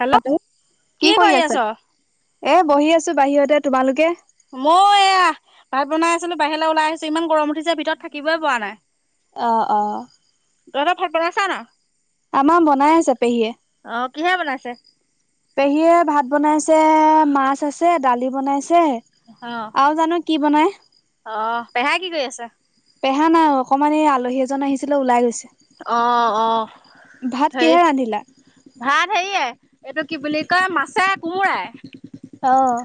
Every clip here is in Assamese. হেল্ল' তাতে কি কৰি আছা এ বহি আছো বাহিৰতে তোমালোকে মই এয়া ভাত বনাই আছিলো বাহিৰলৈ ওলাই আহিছো ইমান গৰম উঠিছে ভিতৰত থাকিবই প নাই। অ - অ। তহতৰ ভাত বনাইছা না। আমাৰ বনাই আছে পেহীয়ে। অ, কিহে বনাইছে। পেহীয়ে ভাত বনাইছে মাছ আছে দালি বনাইছে। অ আৰু জানো কি বনাই অ পেহাই কি কৰি আছে পেহা নাই অকণমান এই আলহী এজন আহিছিলে ওলাই গৈছে। অ - অ ভাত হে কিহে ৰান্ধিলা? ভাত হেৰিয় এইটো কি বুলি কয় মাছে কোমোৰাই। আহ।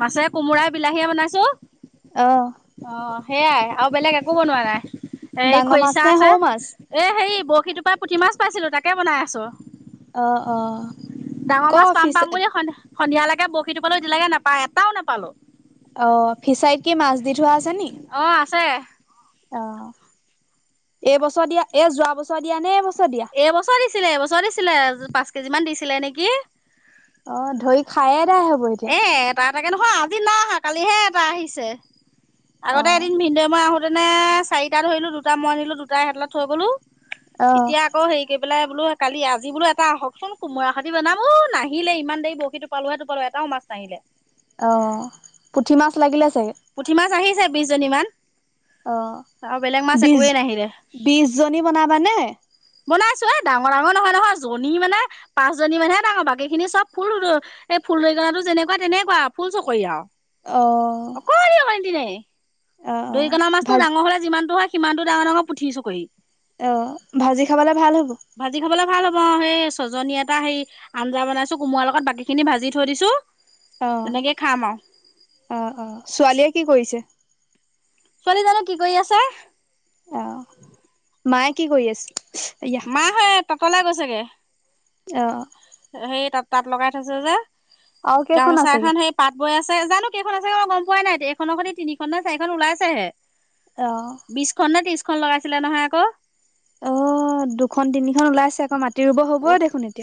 মাছে কোমোৰাই বিলাহীয়ে বনাইছো অ। সেয়াই আৰু বেলেগ একো বনোৱা নাই এই ডাঙৰ মাছ খৰিচা নে আছে, সৰু মাছ? এ হেৰি- সিটোপ পৰা পুঠি মাছ পাইছিলো তাকে বনাই আছো। অ অ। ডাঙৰ ক মাছ পাম ফিচ পাম বুলি সন সন্ধিয়ালৈকে বৰশী বলৈ দিলৈকে নাপা এটাও নাপালো। অ ফিচাইত কি মাছ দি থোৱা আছে নি? অ আছে। অ এইবছৰ দিয়া এই যোৱা বছৰ দিয়া নে এই বছৰ দিয়া? এইবছৰ দিছিলে এবছৰ দিছিলে পাঁচ কেজি মান দিছিলে নেকি। অ ধৰি খায়ে এদাই হ'ব এতিয়া। এ এ তটা এ তাকে নহয় আজি নাই আহা কালিহে এটা আহিছে। আগতে অ', এদিন ভিনদেউ মই আহোতেনে চাৰিটা ধৰিলো দুটা মই আনিলো দুটা এতলত থৈ গলো। অ'। এতিয়া আকৌ হেৰি কৰি পেলাই বোলো কালি আজি বোল এটা আহকচোন কোমৰাহাতি বনামো নাহিলে ইমান দেৰি বৰশীটো পালোহেতটো পালো। এটাও মাছ নাহিলে। অ পুঠি মাছ লাগিলে। চাগে? পুঠি মাছ আহিছে বিশ জনী মান। অ আৰু বেলেগ মাছ বি একোৱেই নাহিলে বিশ জনী বনাবানে? বনাইছো এ ডাঙৰ ডাঙৰ নহয় নহয় জনী মানে পাঁচজনী মানেহে ডাঙৰ বাকী খিনি চব সৰু সৰু। এই ফুল দৰিকনাটো যেনেকুৱা তেনেকুৱা ফুল চকৰি আৰু। অ অকনি অকনমাতি, অ অ দৰিকণা মাছতটো ভাজি ডাঙৰ হলে যিমান টো হয় সিমানটো ডাঙৰ ডাঙৰ পুঠি চকৰি। আহ ভাজি খাবলে ভাল হ'ব। ভাজি খাবলৈ ভাল হ'ব অ সেই ছজনী এটা সেই আঞ্জা বনাইছো কোমাৰ লগত বাকী খিনি ভাজি থৈ দিছো। অ তেনেকে খাম আৰু অ অ ছোৱালীয়ে কি কৰিছে? ছোৱালী জানো কি কৰি আছে। অ মাই কি কৰি আছে? ইয়া মা হে ততলে গৈছেগে। অ। সেই তাত তাত লগাই থৈছে যে আৰু কেইখন গামোচা আছেগে এখন সেই পাত- বৈ আছে জানো কেইখন আছেে মই গম পোৱা নাই এইখনৰ খ তিনিখন নে চাৰিখন ওলাইছেহে। অ বিশখনন নে ত্ৰিশখনন লগাইছিলে নহয় আকৌ। অ দুখন তিনিখন ওলাই আছে আকৌ মা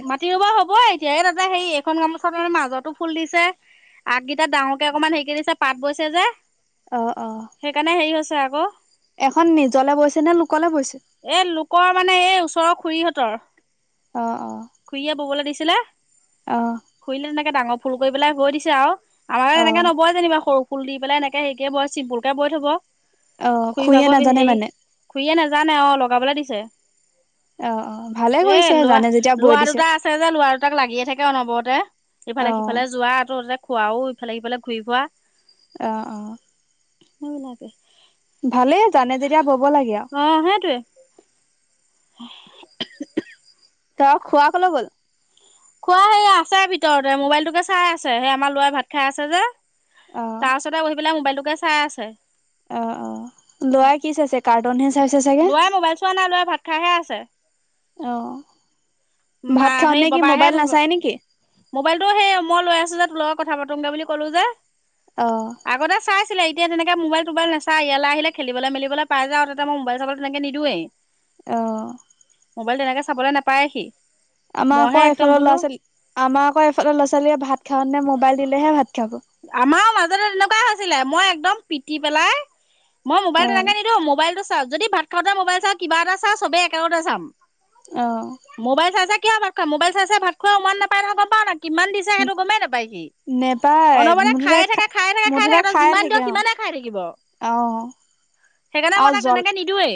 মাটি বা হ'ব এতিয়া এই তাতে সেই এইখন গামোচা তে মাজতো ফুল দিছে। আগকেইটটা ডাঙৰকে অকমান হেৰিক দিছে পাত বৈছে যে। অ অ। চাগে আক। এখন নিজলে বৈছে নে লোক এ লোকৰ মানে এই ওচৰৰ খুৰীহঁতৰ অ অ খুৰীয়ে ববলৈ দিছি ছিলে অ খুৰিলে তেনেকে ডাঙৰ ফুল কৰি পেলাই হৈ দিছে আৰু। আমাৰ অ এনেকে নবয় যেনিবা সৰু ফুল দি পেলাই এনেকে হেৰিকে বয় চিম্পুলকে বৈ থব। অ খুৰি খুৰীয়ে ভাগ নাজানে হেৰি মানে খুৰি নোজানে অ লগাবলে দিছে। অ অ। ভালে কৰিছে এ লৰা জানে যেতিয়া বৈ লৰা দিছে দুটা আছে যে লৰা দুটাক লাগিয়ে থাকে অনবৰতে। অ ইফালে সিফালে যোৱা আৰু তাতে খোৱাও ইফালে সিফালে ঘূৰি ফুৰা। আহ আহ। নব লাগে। ভালে জানে যেতিয়া ব'ব লাগে আৰু। অ সেইটোৱে। [inaudible] ত খোৱা কলৈ গল খুৰা সেই আছে ভিতৰতে, মোবাইলটোকে চাই আছে সেই আমাৰ লৰা ভাত খাই আছে যে। তাৰ অ', পাছতে বহি পেলাই মোবাইলটোকে চাই আছে। অ, অ, লৰাই কি চাইছে কাৰ্টনহে লৰাই মোবাইল চোৱা নাই, লৰাই ভাত খাইহে আছে। অ, মা ভাত খাওঁ হেৰি নে কি বাবাহে মোবাইল নাচায় নেকি? মোবাইলটো সেই মই লৈ আছোঁ যে তোৰ লগত কথা পাতমগৈ বুলি ক'লোঁ যে, অ', আগতে চাই ছিলে এতিয়া তেনেক মোবাইল-তোবাইল নাচায়, ইয়ালে আহিল খেলিবলৈ-মেলিবলৈ পাই যাও তাতে মই মোবাইল-চবাইল তেনেকে নিদিওয়ে। আহ। মোবাইল তেনেকে চাবলৈ নাপায় সি। আমাৰ মইহে আকৌ একদম এফালে বোলো ল'ৰা-ছোৱালী, আমাৰ আকৌ এফালে ল'ৰা-ছোৱালীয়ে ভাত খাও নে মোবাইল দিলেহে ভাত খাব আমাৰ মাজতে তেনেকুৱা হৈছিলে মই একদম পিটি পেলাই মই মোবাইলটো অ', এনে নিদিও মোবাইলটো চাওঁ, যদি ভাত খাওঁতে মোবাইল চাওঁ কিবা এটা চাও চবে একেলগতে চাম। অ', মোবাইল চাই-চাই কিয় ভাত খায়, মোবাইল চাই-চাই ভাত খোৱা উমান নাপাই গম নপা কিমান দিছে সেইটো গমেই নাপায় সি। নেপায় অনবনে খায়ে মুঠতে থাকে, খায়ে থাকে, খায় মুঠতে থাকে, ত খাই যিমান থাকে দিয়ক অ', সিমানে খাই থাকিব। অ', সেইকাৰণে মই আৰু তাক জল তেনেকে নিদিওয়ে।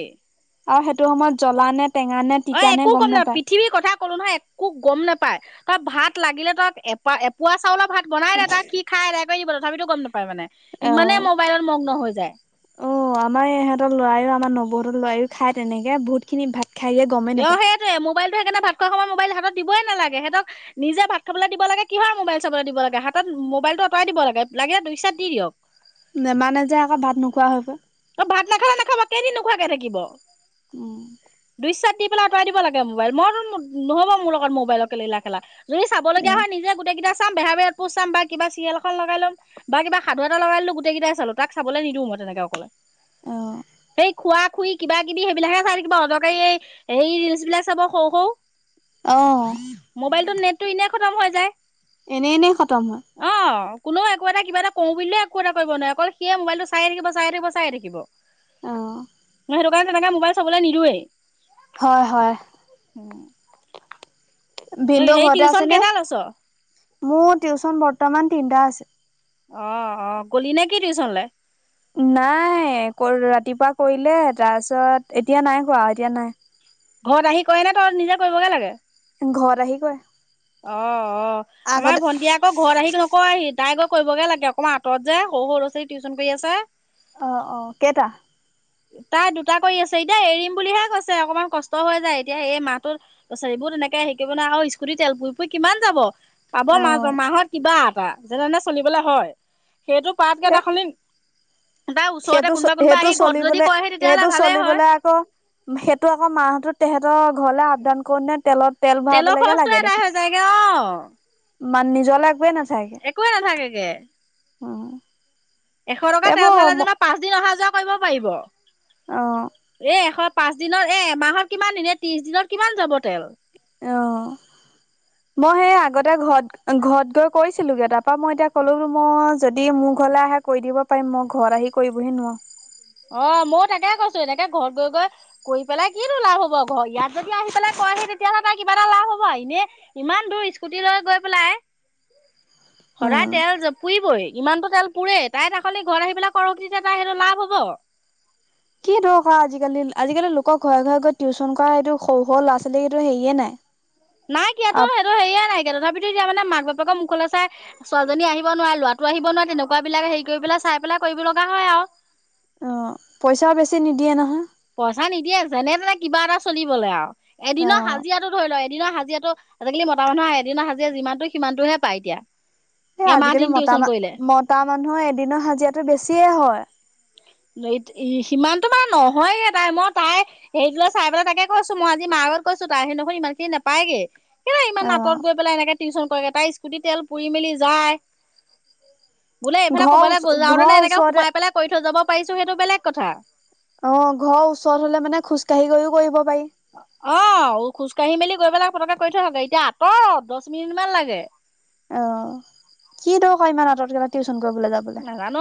আৰু সেইটো সময়ত জ্বলা নে টেঙা নে অ তিতা নে একো গম নাপ, নাপায় পৃথিৱীৰ কথা কলো নহয় একো গম নেপায়। তাক ভাত লাগিলে তাক এপা, এপোৱা চাউলৰ ভাত বনাই দে তাক। এদাই কৰি দিব থাপিতো গম নাপায় মানে অ, অ, ইমানেই মোবাইলত মগ্ন হৈ যায় আমাৰ ইহঁতৰ লৰাও আমাৰ নগ বহুতৰ লৰাইও খায় তেনেকে, বহুতখিনি ভাত খাই দিয়ে গমেই অ নাপায় সেইটোৱে মোবাইল সেইকাৰনে ভাত খোৱা সময় মোবাইল হাতত দিবই নালাগে, সিহঁতক নিজে ভাত খাবলৈ দিব লাগে, কিহৰ মোবাইল চাবলৈ দিব লাগে, হাতত মোবাইলটো আঁতৰাই দিব লাগে, লাগে [unintelligible] দি দিয়ক। নে মানে যে আকৌ ভাত নোখোৱা হৈ গ ত ভাত নাখালে নাখাব, কেইদিন নোখোৱাকে থাকিব, দুই চ আঁতৰাই দিব লাগে মোবাইল, মইতো ম নহব মোৰ লগত মোবাইলকে লিলা-খেলা। যদি এ চাবলগীয়া হয় নিজে গোটেই কেইটা চাম বেহা ব পোচ চাম বা কিবা চিয়েলখন লগাই লম, বা কিবা সাধু এটা লগাইলো গোটেই কেইটাই চালো, তাক চাবলৈ নিদিও মই। তেনেকেও কলে, অ', সেই খোৱা শুৰি কিবা-কিবি সেইবিলাকহে চাই থাকিব, অদৰকাৰী এই হেৰি ৰিলচ বিলাক চাব সৌ-সৌ। অ', মোবাইলটোত নেটটো এনেই খতম হৈ যায়। এনেই-এনেই খতম হয়। অ কোনেও একো এটা কিবা এটা কওঁ বুলিলে একো এটা কৰিব নাই, অকল সিয়ে মোবাইলটো চাইয়ে থাকিব, চাইয়ে থাকিব, চাইয়ে থাকিব। আহ। মই সেইটো কাৰণে তেনেকে মোবাইল চাবলৈ নিদিওয়ে। হয়-হয়। [inaudible] ভিনদেউ সেই ঘৰতে টিউচন আছে নে? কেইটা লৈছ মোৰ টিউচন বৰ্তমান তিনটা আছে। অ, অ, গলি নেকি টিউচনলৈ? নাই, কৰ ৰাতিপুৱা কৰিলে তাৰপিছত এতিয়া নাই কৰা এতিয়া নাই। ঘৰত আহি কৰে নে, তোৰ নিজে কৰিবগে লাগে? ঘৰত আহি কৰে। অ, অ, আমাৰ আগতে ভণ্টি আকৌ ঘৰত আহি নকৰে সি। তাই গৈ কৰিবগে লাগে অকণমান আঁতৰত যায় সৰু-সৰু ল'ৰা-ছোৱালী টিউচন কৰি আছে। অ, অ, কেইটা? তাই দুটা কৰি আছে এতিয়া এৰিম বুলিহে কৈছে, অকণমান কষ্ট হৈ যায় এতিয়া এই মাহটো, অ ছ'ৰি ও তেনেকে শিকিবলে আহোঁ আৰু স্কুটি তেল পুই পুই কিমান যাব। পাব অ', মাজ-মাহত কিবা এটা, যেনে তেনে চলিবলে হয়। সেটো কৱাতকে তা সলনি সেটো চ, হেটো যদি চলিবলে কৰেহি তেতিয়াহ'লে হেটো ভালেই হয় চলিবলে আকৌ, সেটো আকৌ মাহতোত তেহেতৰ ঘৰলে আপদান কৰোতে তেলত তেল তেলৰ ভৰাবলৈকে লাগে খৰচটোৱে আদাই দেখোন। হৈ যায়গে অ'। মান নিজলে একোৱে না একোৱে নাথাকেগে। উম। এশ টকা তেল ভৱালে এইবোৰ যেনিবা পাঁচ দিন অহা যোৱা কইব পাইব। অ এ এশ পাঁচ দিনত, এ এমাহত কিমান দিন, এ ত্ৰিশ দিনত কিমান যাব? তেল অ' মই হেই আগ আগতে ঘত, ঘত গৈ কৈছিলোগে তাৰপা মই এতিয়া ক'লো মই, যদি মোৰ ঘৰলে আহে কৈ দিব পা এ ম ঘত আহি কইবহি নোৱাও। অ' ময়ো তাকে কৈছো এনেকে ঘৰত গৈ গৈ কই পেলাই কিতো লাভ হ'ব ঘ, ইয়াত যদি আহি পেলাই কয় আহি তেতিয়াহ'লে তাই কিবা এটা লাভ হ'ব আই। ইনে ইমান দূৰ স্কুটি লৈ গৈ পেলাই [inaudible] সদায় উম তেল জ-পুইবই। ইমানতো তেল পুৰেই। তাই তা সলনি ঘত আহি পেলাই কৰক। তেতিয়া তাই হেটো লাভ হ'ব। কি ধক আ আজিকালি, আজিকালি লো ক ঘই ঘই গৈ টিউচন কৱা হেটো সও, সও ল'ৱা ছলী হেটো হেইয়ে নাই। নাইকিয়াতো অ হেটো হেইয়ে নাইকিয়া। তথাপিতো এতিয়া মানে মাক বাপেক মুখলে চাই ছোৱালীজনী আহিব নোৱাই, ল'ৱাটো আহিব নোৱাই তেনেকুৱা বিলাই হেই কই পেলাই চাই পেলাই কৰিবি লগা হয় আৰু অ' পইচাও বেছি নিদিয়ে নহয়। পইচা নিদিয়ে যেনে তেনে কিবা এটা চলিবলে আও। অ এদিনৰ হাজিৰাটো ধই লই এদিনৰ হা যিয়েতো আজিকালি মতা মানুহ এদিনা হাজিয়া যিমানটো সিমানটোহে পাই এতিয়া। এ এমাহ আজিকালি দিন মতা টিউচন কৰিলে মা-মতা মানুহ এদিন হাজিৰাটো বেছিয়ে হয়। এইট ই চিমানতো মানে নহয়গে তাই, মই তাই হেইটোলৈ চাই পেলাই তাকে কৈছো মই আজি মা আগত কৈছো তাই হি নহয় ইমান খিনি নাপাইগে। কেলে ইমান অ আঁতৱত গৈ পেলাই এনেকে টিউচন কৰেগে। তাই স্কুটি তেল পুৰি মেলি যায়। বোলে এইফালে ঘৰৰ ক'বালে ওচ গৈ-যাওঁতে নে ঘৰৰ এনেকে ওচৰতে সোমাই পেলাই কই থৈ যাব পাইছো হেটো বেলেগ কথা। অ' ঘ ওচৰত হ'লে মানে খোজ কাঢ়ি গৈও কইব অ' খোজকাঢ়ি মেলি গৈ পেলাই পতককে কই থৈ আহগগে। এতিয়া আঁতৰত দছ মিনিট মান লাগে। অ' কি দৰকা ইমান আঁতৱত [unintelligible] টিউচন কইবলে যাবলে। নাজানো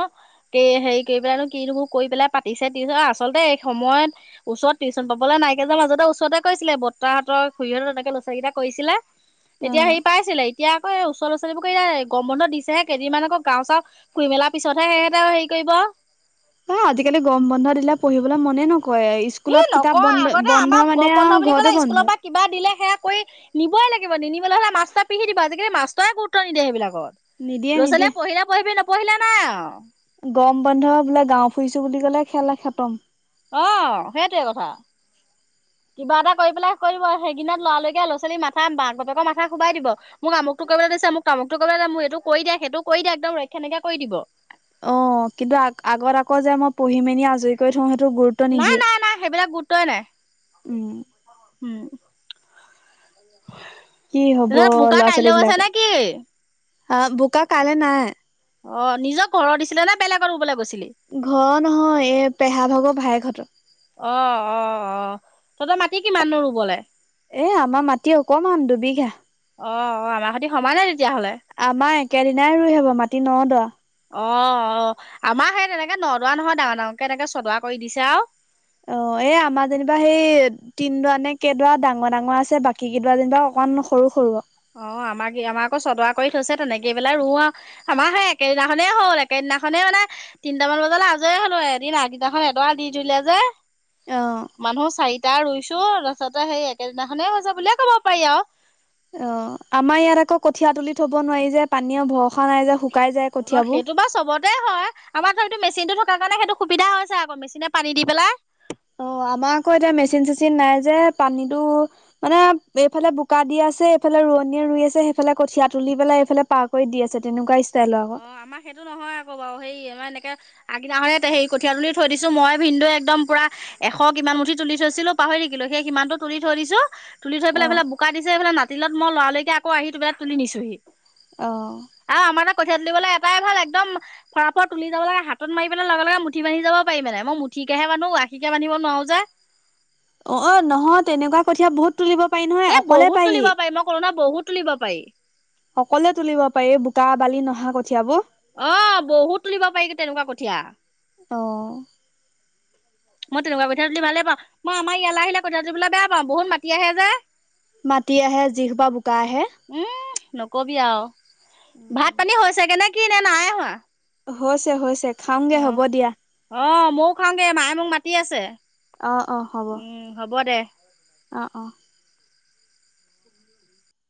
কে হেই কেই পেলাইনো কিনোবো কই পেলাই পাতিছে টিউচন, অ' আচলতে এ সময়ত ওচৰত টিউচন পাবলৈ নাই। একেজা মাজতে ওচতে কৈছিলে। বত্তাহঁতৰ খুৰীয়ে তেনেকে ল ছালীকেইটা কইছিলে। তেতিয়া অ', হেই পাইছিলে এতিয়া আকৌ এ ওচ ল ছালীবো কইলে, গম বন্ধ দিছেহে কেইদিনমান আকৌ গাও চাওঁ ফুই মেলা পিছতহে সেহেতে হেই কইব। অ' আজিকালি গৰম বন্ধ দিলে পঢ়িব বলৈ মনে নকৰে। ই স্কুলত কিতাপ নকওঁ বন্ধ, আগতে বন্ধ আমাক মানে আও ঘৰতো বন্ধ। কই নিবই লাগিব। নিনিবলৈ হ'লে মাষ্টৰে পিহি দিব। আজিকালি মাষ্টই গুৰুত্ব নিদিয়ে হেবিলাক। নিদিয়ে ল ছালীয়ে নিদিয়ে। পঢ়িলে পঢ়িবি নপঢ়িলে নাই আৰু গৰম বান্ধ বোলে গাঁও ফুৰিছো বুলি ক'লে খেল খতম। অ' সেটোৱে কথা। [inaudible] কিবা এটা কই পেলাই কইব। হেগিনত লৱা-লইকে ল ছালী মাথা, মাক বাপেকৰ মথা খোবাই দিব। মোক আমুকটো কৰিবলে দে তাপি মোক তামকতো কইবলে‌ দে, মোক এটো কৰি দে, সেটো কৰি দে এক‌দম ৰক্ষা নাইকিয়া‌ কই দিব। অ', কিন্তু আ-আগত আকৌ যে মই পঢ়ি মেলি আজই কই থওঁ হেত নাই, নাই, নাই সেবিলাক গুৰুত্বই নাই। উম। উম। কি হ'ব তেনে বোকা ল'ৰা-ছোৱালী কাইলৈও আছে নে বিলাকৰ, কি অ অ বোকা কাইলৈ নাই। অ' নিজৰ ঘৰৰ দিছিলে নে, বেলেগত ৰুবলৈ গৈছিলি। ঘৰ নহয় এই পেহা ভাগৰ ভায়েকহঁতৰ। অ, '-অ', -অ', তহঁতৰ মাটি কিমাননো ৰুবলে। এ আমাৰ মাটি অকমান দুবিঘা। অ', -অ' আমাৰ সতি সমান নে তেতিয়া আমাৰ একেদিনাই ৰুই হ'ব মাটি ন' দ অ', -অ আমাৰ সেই তেনেকে নদোৱা নহয়, ডাঙৰ ডাঙৰকে এনেকে চদোৱা কৰি দিছে আৰু। অ' অ' এই আমাৰ যেনিবা সেই তিনডৰা নে কেইডৰা ডাঙৰ-ডাঙৰ আছে। বাকী কেইডৰা যেনিবা অকমান সৰু-সৰু। অ' আমাৰ-আমাৰ আকৌ চদোৱা কৰি থৈছে তেনেকেই পেলাই ৰো, আৰু আমাৰ সে একেদিনাখনে হ'ল একেদিননা সেইদিনাখনেই মানে তিনিটামান বজালে আজৰি হ'লো, এদিন আগেদিনাখন এদৰা দি ধৰিলে যে। অ মানুহ চাৰিটা ৰুইছো। তোৰ ৰচতে সেই একেদিনাখনে হৈছে বুলিয়ে ক'ব পাৰি আৰু। অ' আমাৰ ইয়াত আকৌ কঠীয়া তুলি থব নোৱাৰি যে পানীয়ে ভস অ' সেইটো বাৰু চবতে হয় আমাৰ ধ কিন্ত মেচিন টো থকাৰ কাৰণে সেইটো সুবিধা হৈছে আকৌ মেচিনে পানী দি পেলাই। [inaudible] অ' আমাৰ আকৌ এতিয়া মেচিন-চেচিন নাই যে পানীতো, মানে এইফালে বোকা দি আছে। এইফালে ৰোৱনীয়ে ৰুই আছে, সেইফালে কঠিয়া তুলি পেলাই, এইফালে পাৰ কৰি দি আছে তেনেকুৱা। ষ্টাইলৰ আকৌ অ' আমাৰ সেইটো নহয় আকৌ বাৰু সেই আমাৰ এনেকে আগদিনা খনে‌ হেৰি কঠীয়া তুলি থৈ দিছো, মই ভিন্দো একদম পুৰা এশ কিমান মুঠি তুলি থৈছিলো পাহৰি থাকিলো। হেই কিমানতো তুলি থৈ দিছো। তুলি থৈ অ পেলাই এইফাল বোকা দিছে, সেইফালে মাতিলত মই লৰালৈকে আকৌ আহি তুলি নিছোহি। অহ। কঠিয়া তুলিবলে এটাই ভাল একদম, ফৰাফৰ তুলি যাব লাগে হাত মাৰি পেলাই, লগে লগে মুঠি বান্ধি যাব পাৰি মানে মই মুঠি সিকেহে বান্ধো, আশীকে বান্ধিব নোৱাৰো যে। অ' নহয় তেনেকুৱা কঠীয়া বহুত। তুলিব পাৰি নহয় অকলে এ'বহুত তুলিব পাৰি, মই কলো নহয় বহুত তুলিব পাৰি। সকলোৱে তুলিব পাৰি বোকা-বালি নহা কঠিয়াবোৰ? অ', বহুত তুলিব পাৰি তেনেকুৱা কঠীয়া। অ মই তেনেকুৱা কঠিয়া‌ তুলি ভালেই পাওঁ, মই আমাৰ ইয়ালৈ আহিলে কঠিয়া তুলিবলৈ বেয়া পাওঁ, বহুত মাটি আহে যে। মাটি আহে, যিখোপা‌ বোকা আহে। উম নকবি আৰু উম উম। ভাত পানী হৈছেগে নে, কি নে নাই হোৱা। হৈছে-হৈছে খাামগে হ'ব দিয়া। ময়ো খাওগে, মায়ে মোক মাতি আছে। অ, '-অ' হ'ব। উম হ'ব দে অ', -অ'।